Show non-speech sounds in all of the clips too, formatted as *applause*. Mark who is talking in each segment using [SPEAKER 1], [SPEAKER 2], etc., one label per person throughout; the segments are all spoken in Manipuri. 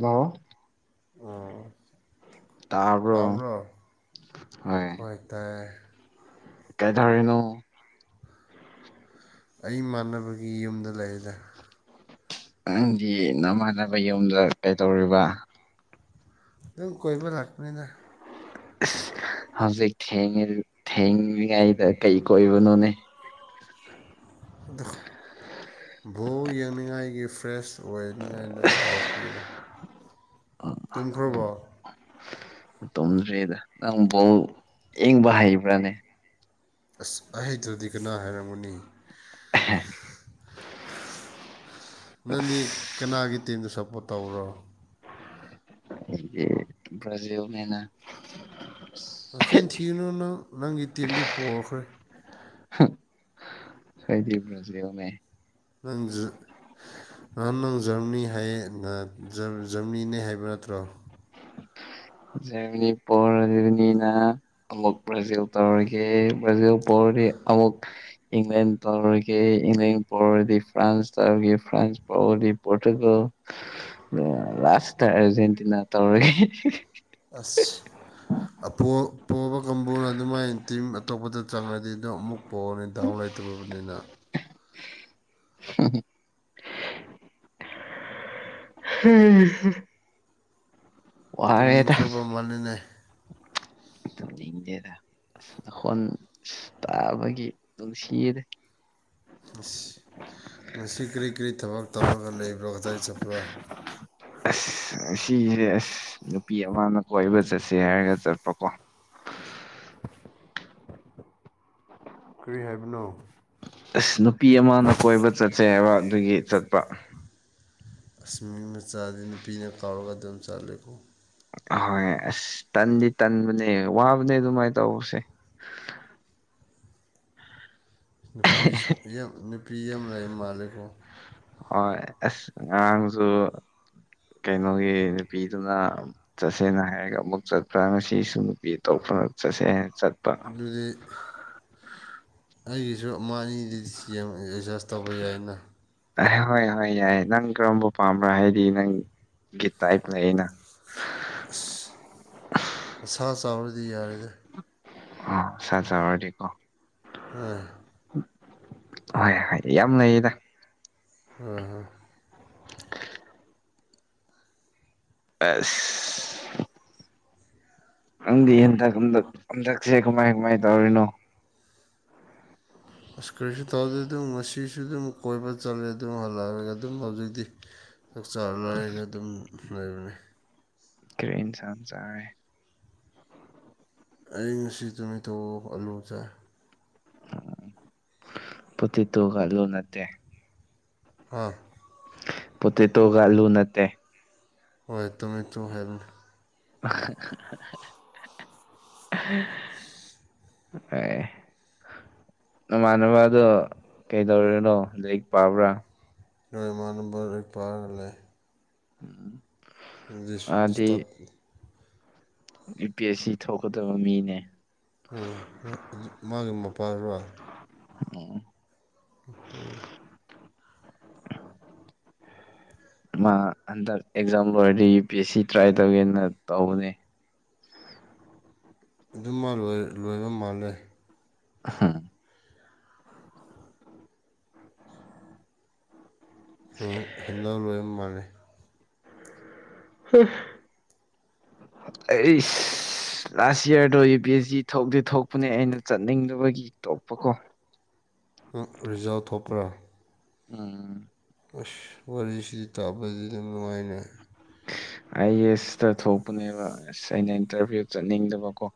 [SPEAKER 1] ꯍꯂ
[SPEAKER 2] ꯑꯣ
[SPEAKER 1] ꯇꯔꯕꯣ
[SPEAKER 2] ꯇꯥꯕ꯭ꯔꯣ
[SPEAKER 1] ꯍꯣꯏ ꯀꯩꯥꯏꯗꯔꯅꯣ
[SPEAKER 2] ꯑꯩꯃꯥꯟꯅꯕꯒꯤ ꯌꯨꯝꯗ ꯂꯩꯔꯤꯗ
[SPEAKER 1] ꯅꯪꯗꯤ ꯅꯃꯥꯟꯅꯕ ꯌꯨꯝꯗ ꯀꯩꯗꯧꯔꯤꯕ
[SPEAKER 2] ꯑꯗꯨ ꯀꯣꯏꯕꯨ ꯂꯥꯛꯄꯅꯤꯗ
[SPEAKER 1] ꯑ ꯍꯧꯖꯤꯛ ꯊꯉ ꯊꯦꯡꯂꯤꯉꯩꯗ ꯀꯩ ꯀꯣꯏꯕꯅꯣꯅꯦ
[SPEAKER 2] ꯚꯣ ꯌꯦꯡꯅꯤꯡꯉꯥꯏꯒꯤ ꯐ꯭ꯔꯦꯁ ꯑꯣꯏ ꯀꯤꯅꯤꯡꯉꯥꯏ ꯑꯗꯨꯝ ꯊꯣꯛꯄꯅꯤꯗ ꯇꯨꯝꯈ꯭ꯔꯕꯣ
[SPEAKER 1] ꯇꯨꯝꯗ꯭ꯔꯤꯗ ꯅꯪꯕꯨꯕꯣꯜ ꯏꯡꯕ ꯍꯩꯕ꯭ꯔꯥꯅꯦ
[SPEAKER 2] ꯑꯁ ꯑꯍꯩꯇꯗꯤ ꯀꯅꯥ ꯍꯥꯏꯔꯝꯒꯅꯤ
[SPEAKER 1] *unintelligible* *inaudible*
[SPEAKER 2] ꯅꯪꯗꯤ ꯀꯅꯥꯒꯤ ꯇꯤꯝꯗ ꯁꯞꯄꯣꯔꯠ ꯇꯧꯔꯣ
[SPEAKER 1] ꯌꯦ ꯕ꯭ꯔꯥꯖꯤꯜꯅꯦꯅ
[SPEAKER 2] ꯅꯆꯤꯟ ꯊꯤꯌꯨꯅꯨ ꯅꯪ ꯅꯪꯒꯤ ꯇꯤꯝꯗꯤ ꯄꯈ꯭ꯔꯦ
[SPEAKER 1] ꯁꯣꯏꯗꯤꯕ꯭ꯔꯖꯤꯦꯜ ꯃ
[SPEAKER 2] ꯅꯪꯖ ꯅꯍꯥꯟ ꯅꯪ ꯖꯔꯅꯤ ꯖꯔꯅꯤꯅꯦ ꯍꯥꯏꯕ ꯅꯠꯇ꯭ꯔꯣ
[SPEAKER 1] ꯖꯔꯃꯅꯤ ꯄꯣꯔ ꯖꯔꯅꯤꯅ ꯑꯃꯨꯛ ꯕ꯭ꯔꯥꯖꯤꯜ ꯇꯧꯔꯒꯦ ꯕ꯭ꯔꯥꯖꯤꯜ ꯄꯣꯔ ꯗꯤ ꯑꯃꯨꯛ ꯏꯪꯂꯦꯟ ꯇꯧꯔꯒꯦ ꯏꯪꯂꯦꯟ ꯄꯔꯔꯗꯤ ꯐ꯭ꯔꯥꯟꯁ ꯇꯧꯔꯒꯦ ꯐ꯭ꯔꯥꯟꯁ ꯄꯕꯂꯤ ꯄꯣꯔꯇꯨꯒꯜ ꯂꯥꯁꯇ ꯑꯔꯖꯦꯟꯇꯤꯅꯥ ꯇꯧꯔꯒꯦ
[SPEAKER 2] ꯑꯁ ꯄꯣꯕ ꯀꯥꯡꯕꯨꯅ ꯑꯗꯨꯃꯥꯏꯅ ꯇꯤꯝ ꯑꯇꯣꯞꯄꯗ ꯆꯪꯉꯗꯤ ꯑꯗꯨꯣ ꯑꯃꯨꯛ ꯄꯣꯛꯑꯅꯤ ꯗꯥꯎ ꯂꯩꯇ꯭ꯔꯕꯅꯤꯅ
[SPEAKER 1] ꯎꯝ ꯍꯝ
[SPEAKER 2] ꯇꯝꯅꯤꯡꯈ꯭ꯔꯕ ꯃꯥꯅꯦ
[SPEAKER 1] ꯇꯗꯦꯗ ꯑ ꯅ ꯍꯣꯟ ꯇꯥꯕꯒꯤ ꯅꯨꯡꯁꯤꯗꯦ
[SPEAKER 2] ꯑꯁ ꯇꯞꯄꯒ ꯂꯩꯕ꯭ꯔꯣ ꯀꯗꯥꯏ ꯆꯠꯄ꯭ꯔꯣ
[SPEAKER 1] ꯑꯁ ꯉꯁꯦ ꯑꯁ ꯅꯨꯄꯤ ꯑꯃꯅ ꯀꯣꯏꯕ ꯆꯠꯁꯦ ꯍꯥꯏꯔꯒ ꯆꯠꯄ ꯇꯀꯣ
[SPEAKER 2] ꯀꯔꯤ ꯍꯥꯏꯕꯅꯣ
[SPEAKER 1] ꯑꯁ ꯅꯨꯄꯤ ꯑꯃꯅ ꯀꯣꯏꯕ ꯆꯠꯁꯦ ꯍꯥꯏꯕ ꯑꯗꯨꯒꯤ ꯆꯠꯄ
[SPEAKER 2] ꯀꯁꯃꯤꯔ ꯃ ꯆꯥꯗ ꯅꯨꯄꯤꯅ ꯀꯥꯎꯔꯒ ꯑꯗꯨꯝ ꯆꯥꯂꯦꯀꯣ
[SPEAKER 1] ꯑꯍꯣꯏ ꯑꯁ ꯇꯟꯗꯤ ꯇꯟꯕꯅꯦ ꯋꯥꯕꯅꯦ ꯑꯗꯨꯃꯥꯏꯅ ꯇꯧꯕꯁꯦ *inaudible*
[SPEAKER 2] ꯅꯨꯄꯤ ꯅꯨꯄꯤ ꯑꯃ ꯂꯩ ꯃꯥꯜꯂꯦꯀꯣ
[SPEAKER 1] ꯍꯣꯏ ꯑꯁ ꯉꯥꯡꯁꯨ ꯀꯩꯅꯣꯒꯤ ꯅꯨꯄꯤꯗꯨꯅ ꯆꯠꯁꯦꯅ ꯍꯥꯏꯔꯒ ꯑꯃꯨꯛ ꯆꯠꯄ꯭ꯔꯥ ꯉꯁꯤꯁꯨ ꯅꯨꯄꯤ ꯇꯧ ꯍ ꯆꯠꯁꯦ
[SPEAKER 2] ꯑꯗꯨꯗꯤ ꯑꯩꯒꯤ ꯃꯥꯅꯤꯗꯨꯗꯤ ꯔꯤꯆꯥꯥꯔꯖ ꯇꯧꯕ ꯌꯥꯏꯅ
[SPEAKER 1] ꯑ ꯍꯣꯏ ꯍꯣꯏ ꯌꯥꯏ ꯅꯪ ꯀꯔꯝꯕ ꯄꯥꯝꯕ꯭ꯔꯥ ꯍꯥꯏꯗꯤ ꯅꯪ ꯒꯤ ꯇꯥꯏꯞꯅꯦ ꯑꯩꯅ
[SPEAKER 2] ꯑꯁ ꯑꯁꯥ ꯆꯥꯎꯔꯗꯤ ꯌꯥꯔꯦꯗ
[SPEAKER 1] ꯑ ꯁꯥ ꯑꯣꯔꯗꯤꯀꯣ
[SPEAKER 2] ꯑꯣꯏ
[SPEAKER 1] ꯍꯣꯏ ꯍꯣꯏ ꯌꯥꯝ ꯂꯩꯌꯦꯗ
[SPEAKER 2] *inaudible*
[SPEAKER 1] ꯑꯁ ꯅꯪꯗꯤ ꯍꯟꯗꯛ ꯍꯟꯗꯛ ꯍꯟꯗꯛꯁꯦ ꯀꯃꯥꯏ ꯀꯃꯥꯏ ꯇꯧꯔꯤꯅꯣ
[SPEAKER 2] ꯑꯁ ꯀꯔꯤꯁꯨ ꯇꯧꯗꯦ ꯑꯗꯨꯝ ꯃꯁꯤꯁꯤꯁꯨ ꯑꯗꯨꯝ ꯀꯣꯏꯕ ꯆꯠꯂꯦ ꯑꯗꯨꯝ ꯍꯜꯂꯛꯑꯒ ꯑꯗꯨꯝ ꯍꯧꯖꯤꯛꯇꯤ ꯆꯥꯛ ꯆꯥꯔ ꯂꯥꯏꯔꯒ ꯑꯗꯨꯝ ꯂꯩꯕꯅꯤ
[SPEAKER 1] ꯀꯩ ꯏꯟꯁꯥꯟ ꯆꯥꯔꯦ
[SPEAKER 2] ꯑꯩ ꯉꯁꯤ ꯅꯨꯃꯤꯊꯣꯛ ꯑꯂꯨ ꯆꯥꯏ
[SPEAKER 1] ꯄꯊ ꯇꯨ ꯈꯜꯂꯨ ꯅꯠꯇꯦ
[SPEAKER 2] ꯍꯥꯥ
[SPEAKER 1] ꯄꯣꯇꯦꯇꯣꯒ ꯑꯂꯨ ꯅꯠꯇꯦ
[SPEAKER 2] ꯍꯣꯏ ꯇꯃꯦ ꯇꯣ ꯍꯥꯏꯕ
[SPEAKER 1] *inaudible* *unintelligible* ꯅꯃꯥꯟꯅꯕꯗꯣ ꯀꯩꯗꯧꯔꯤꯅꯣ ꯂꯥꯏꯔꯤꯛ ꯄꯥꯕ꯭ꯔꯥ
[SPEAKER 2] ꯂꯣꯏꯃꯅꯝꯕꯣꯏ ꯄꯥꯔꯒ ꯂꯩ
[SPEAKER 1] ꯎꯝ
[SPEAKER 2] this ꯗꯤꯁꯇꯔ
[SPEAKER 1] E P S C ꯊꯣꯛꯀꯗꯕ ꯃꯤꯅꯦ
[SPEAKER 2] ꯃꯥꯒꯤ ꯃꯄꯥꯔꯣ
[SPEAKER 1] ꯑꯣ
[SPEAKER 2] ꯎꯝ
[SPEAKER 1] *inaudible* ꯃꯥ ꯍꯟꯗꯛ ꯑꯦꯛꯖꯥꯝ ꯂꯣꯏꯔꯗꯤ U P S C try ꯇꯧꯒꯦꯅ ꯇꯧꯕꯅꯦ
[SPEAKER 2] ꯑꯗꯨꯝ ꯂꯣꯏꯕ ꯃꯥꯜꯂꯦ
[SPEAKER 1] ꯍꯥꯝ
[SPEAKER 2] ꯍꯟꯗꯧ ꯂꯣꯏꯕ ꯃꯥꯜꯂꯦ
[SPEAKER 1] ꯑꯩ ꯂꯥꯁ ꯌꯌꯥꯔꯗꯣ ꯌꯨ ꯄꯤ ꯑꯦꯁ ꯖꯤ ꯊꯣꯛꯇꯦ ꯊꯣꯛꯄꯅꯦ ꯑꯩꯅ ꯆꯠꯅꯤꯡꯗꯕꯒꯤ ꯇꯣꯛꯄ ꯀꯣ *unintelligible*
[SPEAKER 2] ꯅꯪ ꯔꯤꯖꯜ ꯊꯣꯛꯄ꯭ꯔꯥ
[SPEAKER 1] ꯎꯝ
[SPEAKER 2] ꯑꯁ ꯋꯥꯔꯤꯁꯤꯗꯤ ꯇꯥꯕꯗꯤ ꯑꯗꯨꯝ ꯅꯨꯡꯉꯥꯏꯅ
[SPEAKER 1] ꯑꯩ ꯑꯦꯁꯇ ꯊꯣꯛꯄꯅꯦꯕ ꯑꯁ ꯑꯩꯅ ꯏꯟꯇꯔꯚꯤꯌꯨ ꯆꯠꯅꯤꯡꯗꯕꯀꯣ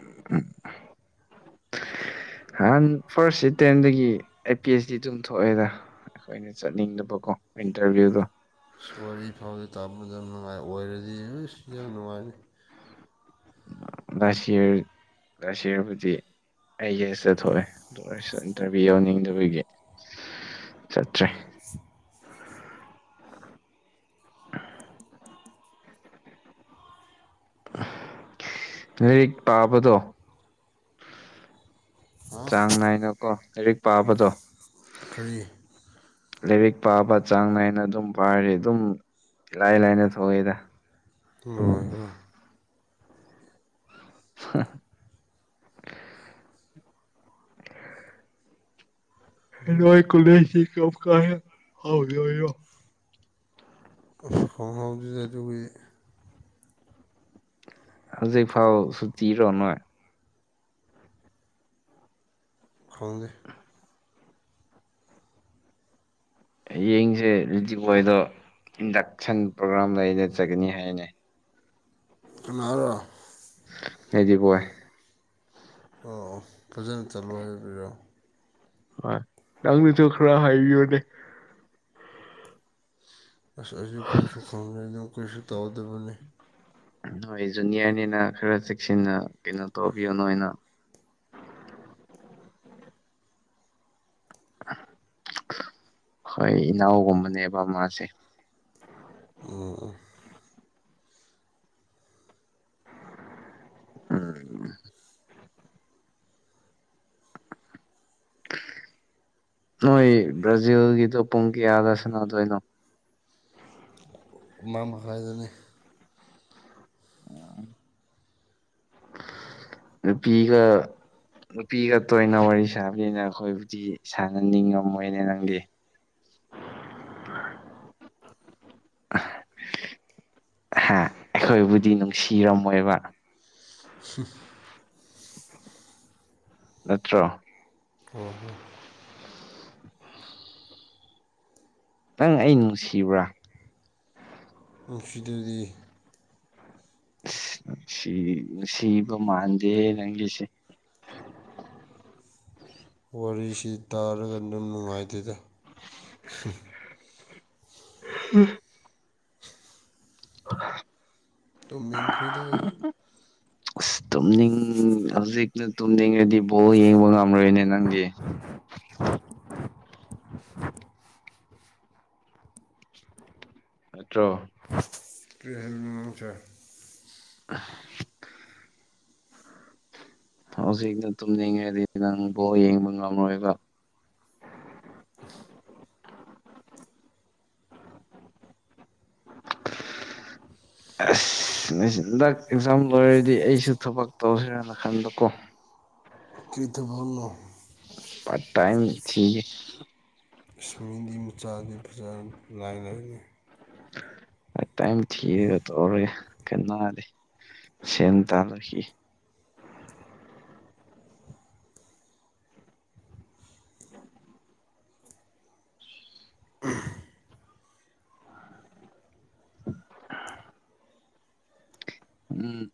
[SPEAKER 1] ꯑ ꯅꯍꯥꯟ ꯐꯥꯔꯁꯁꯤ ꯇꯦꯟꯗꯒꯤ ꯑꯩ ꯄꯤ ꯑꯩꯆ ꯗꯤ ꯑꯗꯨꯝ ꯊꯣꯛꯑꯦꯗ ꯑꯩꯈꯣꯏꯅ ꯆꯠꯅꯤꯡꯗꯕꯀꯣ ꯏꯟꯇꯔꯚꯤꯌꯨꯗꯣ
[SPEAKER 2] ꯁ ꯋꯥꯔꯤ ꯐꯥꯎꯗꯤ ꯇꯥꯄꯗ ꯅꯨꯡꯉꯥꯏ ꯑꯣꯏꯔꯗꯤ ꯌꯥꯝ ꯅꯨꯡꯉꯥꯏꯅꯤ
[SPEAKER 1] ꯂꯁꯤ ꯂꯁꯤꯔ ꯐꯗꯤ ꯑꯩꯒꯤꯁ ꯆꯠꯊꯣꯛꯑꯦ ꯑꯗꯨ ꯑꯣꯏꯔꯁꯨ ꯏꯟꯇꯔꯚꯤꯌꯨ ꯌꯥꯎꯅꯤꯡꯗꯕꯒꯤ ꯆꯠꯇ꯭ꯔꯦ ꯉꯔꯤ ꯄꯥꯕꯗꯣ
[SPEAKER 2] ꯑꯥ
[SPEAKER 1] ꯆꯥꯡ ꯅꯥꯏꯅꯀꯣ ꯂꯥꯏꯔꯤꯛ ꯄꯥꯕꯗꯣ
[SPEAKER 2] ꯀꯔꯤ
[SPEAKER 1] ꯂꯤꯔꯤꯛ ꯄꯥꯕ ꯆꯥꯡ ꯅꯥꯏꯅ ꯑꯗꯨꯝ ꯄꯥꯔꯤ ꯑꯗꯨꯝ ꯏꯂꯥꯏ ꯂꯥꯏꯅ ꯊꯣꯛꯑꯦꯗ
[SPEAKER 2] ꯅꯨꯡꯉꯥꯏꯕ
[SPEAKER 1] *unintelligible* ꯀꯂꯁꯤ ꯀ ꯀ ꯍꯥꯎ ꯌꯣ
[SPEAKER 2] ꯗꯨꯗꯗꯨꯒꯤ
[SPEAKER 1] ꯍꯧꯖꯤꯛ ꯐꯥꯎ ꯁꯨꯇꯤꯔ ꯅꯣꯏ
[SPEAKER 2] ꯈꯣꯡꯖꯦ
[SPEAKER 1] ꯌꯦꯡꯁꯦ ꯔꯤꯖꯤꯛ ꯣꯏꯗ ꯏꯟꯗꯛꯁꯟ ꯄ꯭ꯔꯣꯒ꯭ꯔꯥꯝ ꯂꯩꯅꯠꯆꯒꯅꯤ ꯍꯥꯏꯅꯩ
[SPEAKER 2] ꯀꯔ
[SPEAKER 1] ꯍꯥꯏꯗꯤ ꯄꯦ
[SPEAKER 2] ꯑꯣ ꯑꯣ ꯐꯖꯅ ꯆꯠꯂꯣ ꯍꯥꯏꯕꯤꯔꯛꯑꯣ
[SPEAKER 1] ꯍ ꯅꯪꯅ ꯆꯣꯈ꯭ꯔ ꯍꯥꯏꯕꯤꯣꯅꯦ
[SPEAKER 2] ꯑꯁ ꯑꯩꯁꯨ ꯀꯔꯤꯁꯨ ꯈꯪꯗꯣꯏꯗꯣ ꯀꯔꯤꯁꯨ ꯇꯧꯗꯕꯅꯤ
[SPEAKER 1] ꯍꯣꯏ ꯖꯨꯅꯤꯌꯔꯅꯤꯅ ꯈꯔ ꯆꯦꯛꯁꯤꯟꯅ ꯀꯩꯅꯣ ꯇꯧꯕꯤꯌꯣ ꯅꯣꯅ ꯍꯣꯏ ꯏꯅꯥꯎꯒꯨꯝꯕꯅꯦꯕ ꯃꯥꯁꯦ
[SPEAKER 2] ꯑꯣ
[SPEAKER 1] ꯑꯝ ꯅꯣꯏ ꯕ꯭ꯔꯥꯖꯤꯜꯒꯤꯗꯣ ꯄꯨꯡ ꯀꯌꯥꯗ ꯁꯟꯅꯗꯣꯏꯅꯣ
[SPEAKER 2] ꯃꯝ ꯍꯥꯏꯗꯨꯅꯤ
[SPEAKER 1] ꯑꯣ ꯅꯨꯄꯤꯒ ꯅꯨꯄꯤ ꯈꯛꯇ ꯑꯣꯏꯅ ꯋꯥꯔꯤ ꯁꯥꯕꯅ ꯑꯩꯈꯣꯏꯕꯨꯗꯤ ꯁꯥꯟꯅꯅꯤꯡꯉꯝꯃꯣꯏꯅꯦ ꯅꯪꯗꯤ *unintelligible* ꯍꯥ ꯑꯩꯈꯣꯏꯕꯨꯗꯤ ꯅꯨꯡꯁꯤꯔꯝꯃꯣꯏꯕ
[SPEAKER 2] *unintelligible*
[SPEAKER 1] ꯅꯠꯇ꯭ꯔꯣ
[SPEAKER 2] ꯍ ꯍꯣ
[SPEAKER 1] ꯅꯪ ꯑꯩ ꯅꯨꯡꯁꯤꯕ꯭ꯔꯥ
[SPEAKER 2] ꯅꯨꯡꯁꯤꯗꯨꯗꯤ
[SPEAKER 1] ꯅꯨꯡ ꯁꯤ ꯅꯨꯡꯁꯤꯕ ꯃꯥꯟꯗꯦ ꯅꯪꯒꯤꯁꯦ *unintelligible*
[SPEAKER 2] ꯋꯥꯔꯤꯁꯤ ꯇꯥꯔꯒ ꯅꯝ ꯅꯨꯡꯉꯥꯏꯇꯦꯗ
[SPEAKER 1] ꯎꯝ
[SPEAKER 2] ꯇꯨꯝꯅꯤꯡꯈ꯭ꯔꯦꯗ ꯑꯩꯗꯤ
[SPEAKER 1] ꯇꯝꯅꯤꯡ ꯍꯧꯖꯤꯛꯅ ꯇꯨꯝꯅꯤꯡꯉꯗꯤ ꯕꯣꯜ ꯌꯦꯡꯕ ꯉꯝꯔꯣꯏꯅꯦ ꯅꯪꯗꯤ
[SPEAKER 2] *unintelligible*
[SPEAKER 1] ꯃꯠꯇ꯭ꯔꯣ
[SPEAKER 2] ꯇꯦꯁꯟ ꯃꯝꯁ
[SPEAKER 1] *unintelligible* ꯍꯧꯖꯤꯛꯅ ꯇꯨꯝꯅꯤꯡꯉꯗꯤ ꯅꯪ ꯕꯣ ꯌꯦꯡꯕ ꯉꯝꯔꯣꯏꯕ
[SPEAKER 2] *unintelligible*
[SPEAKER 1] *inaudible* ꯑꯁ ꯍꯟꯗꯛ ꯑꯦꯛꯖꯥꯝ ꯂꯣꯏꯔꯗꯤ ꯑꯩꯁꯨ ꯊꯕꯛ ꯇꯧꯁ꯭ꯔꯦꯅ ꯈꯟꯕꯀꯣ
[SPEAKER 2] ꯀꯤꯔꯊꯄꯨꯝꯅ
[SPEAKER 1] ꯇꯥꯏꯝ ꯊꯦ
[SPEAKER 2] ꯏꯁꯃꯤꯗꯤ ꯃꯆꯥꯗꯤ ꯐꯖꯥ ꯂꯥꯏ ꯂꯥꯏꯅꯤ
[SPEAKER 1] ꯇꯥꯏ ꯊ ꯇꯒ ꯀꯅꯥꯗꯤ ꯁꯦꯟ ꯇꯅꯀꯤ *inaudible* ꯎꯝ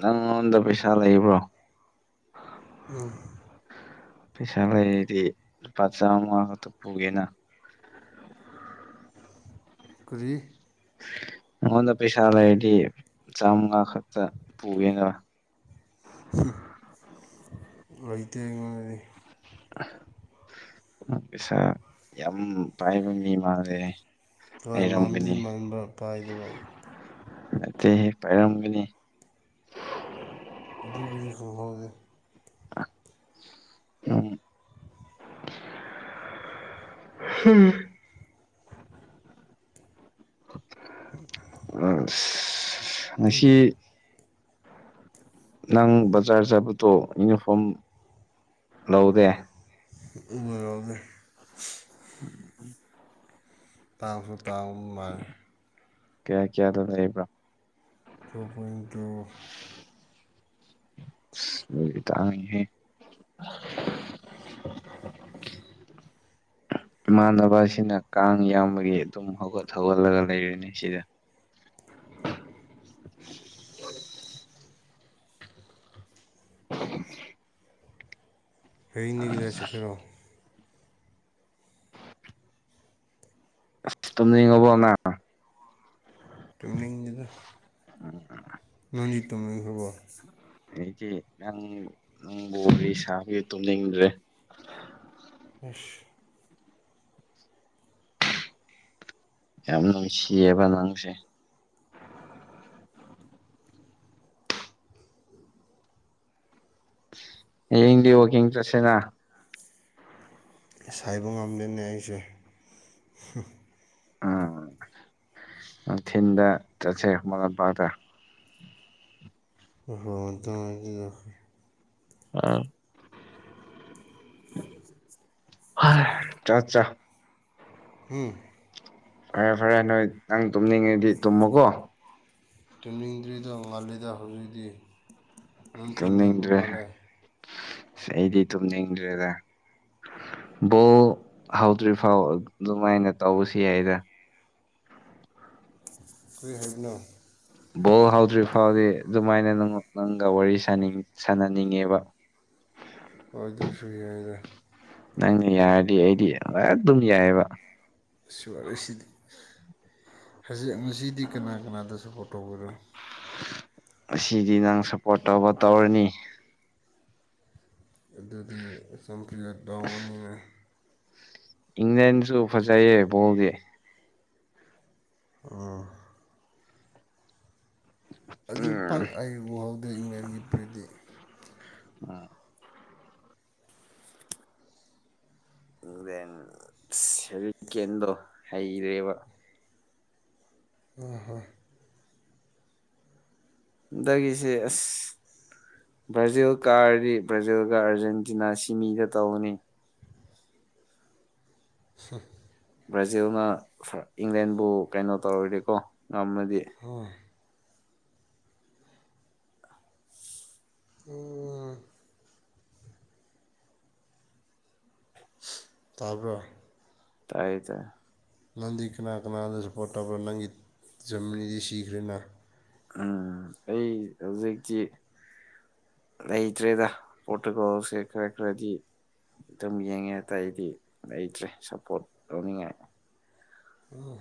[SPEAKER 1] ꯅꯪꯗ ꯄꯩꯁꯥ ꯂꯩ ꯂꯩꯕ꯭ꯔꯣ
[SPEAKER 2] ꯎ
[SPEAKER 1] ꯄꯩꯁꯥ ꯂꯩꯔꯗꯤ ꯂꯨꯄꯥ ꯆꯥꯝꯃ ꯈꯛꯇ ꯄꯨꯒꯦꯅ *inaudible*
[SPEAKER 2] ꯄꯨꯨ ꯀ꯭ꯔꯤ
[SPEAKER 1] *inaudible* ꯑꯩꯉꯣꯟꯗ ꯄꯩꯁꯥ ꯂꯩꯔꯗꯤ ꯆꯥꯝꯃꯉꯥ ꯈꯛꯇ ꯄꯨꯒꯦꯅꯦ
[SPEAKER 2] ꯍꯨꯝ ꯂꯩꯇꯦꯉꯅꯤ
[SPEAKER 1] ꯁ ꯌꯥꯝ ꯄꯥꯏꯕ ꯃꯤꯃꯦ
[SPEAKER 2] ꯍꯣꯏ ꯃꯝꯁꯤ ꯃꯥꯟꯕ꯭ꯔꯥ ꯄꯥꯏꯗꯕ
[SPEAKER 1] ꯑꯇꯩ ꯄꯥꯏꯔꯝꯒꯅꯤ
[SPEAKER 2] ꯗꯔꯤ ꯈꯪꯍꯣꯗ
[SPEAKER 1] ꯎꯝ ꯍꯝ ꯑ ꯉꯁꯤ ꯅꯪ ꯕꯖꯥꯔ ꯆꯥꯕꯗꯣ ꯌꯨꯅꯤꯐꯣꯔꯝ ꯂꯧꯗꯦ
[SPEAKER 2] ꯎꯃꯣꯔꯣꯝꯁꯦ
[SPEAKER 1] ꯎꯝ ꯎꯝ
[SPEAKER 2] ꯂꯥꯛꯄꯇꯥ ꯃꯥ
[SPEAKER 1] ꯀꯌꯥ ꯀꯌꯥꯗ ꯂꯩꯕ꯭ꯔꯥ
[SPEAKER 2] ꯔꯕꯣꯏꯗ
[SPEAKER 1] ꯇꯉꯍ ꯏꯃꯥꯟꯅꯕꯁꯤꯅ ꯀꯥꯡ ꯌꯥꯝꯕꯒꯤ ꯑꯗꯨꯝ ꯍꯧꯒꯠ ꯍꯧꯒꯠꯂꯒ ꯂꯩꯔꯤꯅꯤ ꯁꯤꯗ *inaudible* *inaudible*
[SPEAKER 2] ꯍꯅꯤ ꯀꯗ ꯆꯀ꯭ꯔꯣ
[SPEAKER 1] ꯇꯝꯗꯤꯉꯣꯕꯣ
[SPEAKER 2] ꯇꯨꯝꯅꯤꯉꯥ
[SPEAKER 1] ꯎꯝ
[SPEAKER 2] ꯅꯅꯤ ꯇꯅ ꯍꯕ
[SPEAKER 1] ꯑꯩꯗꯤ ꯅꯪ ꯅꯪꯕꯨ ꯑꯩ ꯏꯁꯥꯒꯤ ꯇꯨꯝꯅꯤꯡꯗ꯭ꯔꯦ
[SPEAKER 2] ꯑꯁ
[SPEAKER 1] ꯌꯥꯝ ꯅꯨꯡꯁꯤꯦꯕ ꯅꯉꯁꯦ ꯍꯌꯦꯡꯗꯤ ꯋꯥꯀꯤꯡ ꯆ꯭ꯔꯠꯁꯦꯅ
[SPEAKER 2] ꯁꯥꯏꯕ ꯉꯝꯗꯦꯅꯦ ꯑꯩꯁꯦ
[SPEAKER 1] ꯎꯝꯊꯤꯟꯗ ꯆꯠꯁꯦ ꯃꯔ ꯂꯝꯄꯥꯛꯇ
[SPEAKER 2] ꯍ ꯇꯒꯤ
[SPEAKER 1] ꯑ ꯆꯥ ꯆꯥ
[SPEAKER 2] ꯎꯝ
[SPEAKER 1] ꯐꯔꯦ ꯐꯔꯦ ꯅꯣꯏ ꯅꯪ ꯇꯨꯝꯅꯤꯡꯉꯤꯗꯤ ꯇꯨꯝꯃꯨꯀꯣ
[SPEAKER 2] ꯇꯨꯝꯅꯤꯡꯗ꯭ꯔꯤꯗ ꯃꯥꯜꯂꯤꯦꯗ ꯍꯧꯖꯤꯛꯇꯤ ꯅꯪ ꯇꯨꯝꯅꯤꯡꯕ
[SPEAKER 1] ꯇꯨꯝꯅꯤꯡꯗ꯭ꯔꯦ
[SPEAKER 2] ꯃꯥꯜꯂꯦ
[SPEAKER 1] ꯑꯩꯗꯤ ꯇꯨꯝꯅꯤꯡꯗ꯭ꯔꯦꯗ ꯕꯣꯜ ꯍꯧꯗ꯭ꯔꯤ ꯐꯥꯎ ꯑꯗꯨꯃꯥꯏꯅ ꯇꯧꯕꯁꯤ ꯌꯥꯏꯗ
[SPEAKER 2] ꯀꯈꯏ ꯍꯥꯏꯅ
[SPEAKER 1] ꯕꯣꯜ ꯍꯧꯗ꯭ꯔꯤ ꯐꯥꯎꯗꯤ ꯑꯗꯨꯃꯥꯏꯅ ꯅ ꯅꯪꯒ ꯋꯥꯔꯤꯅꯤꯡ ꯁꯥꯟꯅꯅꯤꯡꯉꯦꯕ *inaudible*
[SPEAKER 2] ꯑꯗꯁꯨ ꯆꯗ
[SPEAKER 1] ꯅꯪꯅ ꯌꯥꯔꯗꯤ ꯑꯩꯗꯤ ꯍ ꯑꯗꯨꯝ ꯌꯥꯏꯑꯕ
[SPEAKER 2] ꯋꯥꯔꯤꯁꯤꯗꯤ ꯍꯧꯖꯤꯛ ꯉꯁꯤꯗꯤ ꯀꯅꯥ ꯀꯅꯥꯗꯁꯨ ꯄꯣꯔ ꯐꯇꯣ ꯑꯣꯏꯔꯨ
[SPEAKER 1] ꯑꯁꯤꯗꯤ ꯅꯪ ꯁꯞꯄꯣꯔꯠ ꯇꯧꯕ ꯇꯧꯔꯅꯤ
[SPEAKER 2] ꯑꯗꯨꯗꯤ ꯁꯝꯄ꯭ꯔꯤꯒ ꯇꯎꯅꯤꯅ
[SPEAKER 1] ꯏꯪ꯭ꯂꯦꯟꯗꯁꯨ ꯐꯖꯥꯏꯌꯦ ꯣꯒꯦ
[SPEAKER 2] ꯑꯣ ꯑꯗꯨ
[SPEAKER 1] ꯎꯝ
[SPEAKER 2] ꯄꯥꯛ ꯑꯩ ꯎꯍꯧꯗꯦ ꯏꯪꯂꯪꯂꯦꯟꯒꯤ ꯐꯨꯔꯤꯗꯤ
[SPEAKER 1] ꯑ ꯎ ꯗꯦꯟ ꯁ ꯀꯗꯣ ꯍꯩꯔꯦꯕ
[SPEAKER 2] ꯑ ꯍ
[SPEAKER 1] ꯗꯗꯒꯤꯁꯦ ꯑꯁ ꯕ꯭ꯔꯥꯖꯤꯜ ꯀꯥꯔꯗꯤ ꯕ꯭ꯔꯥꯖꯤꯜꯒ ꯑꯥꯔꯖꯦꯟꯇꯤꯅꯥ ꯁꯤꯃꯤꯗ ꯇꯧꯅꯤ
[SPEAKER 2] ꯍ
[SPEAKER 1] ꯕ꯭ꯔꯥꯖꯤꯜꯅ ꯏꯪꯂꯦꯟꯕꯨ ꯀꯩꯅꯣ ꯇꯧꯔꯣꯏꯔꯀꯣ ꯉꯝꯃꯗꯤ
[SPEAKER 2] ꯎꯝ ꯑꯣ ꯇꯥꯕ꯭ꯔ
[SPEAKER 1] ꯇꯥꯏ ꯇꯦ
[SPEAKER 2] ꯅꯪꯗꯤ ꯀꯅꯥ ꯀꯅꯥꯗꯁꯨ ꯄꯣꯠꯇꯕ ꯅꯪꯒꯤ ꯖꯝꯃꯤꯅꯤꯗꯤ ꯁꯤꯈ꯭ꯔꯦꯅ
[SPEAKER 1] ꯎꯝ ꯑꯩ ꯍꯧꯖꯤꯛꯀꯤ ꯂꯩꯩꯇ꯭ꯔꯦꯗ ꯄꯠꯇꯀꯣ ꯁꯦ ꯈꯔꯦ ꯈꯔꯗꯤ ꯑꯗꯨꯝ ꯌꯦꯡꯉꯦ ꯑꯇꯥ ꯑꯩꯗꯤ ꯂꯩꯇ꯭ꯔꯦ ꯁꯞꯄꯣꯔꯠ ꯇꯧꯅꯤꯡꯉꯥꯏ
[SPEAKER 2] ꯋꯥ